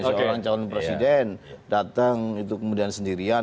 seorang calon presiden datang itu kemudian sendirian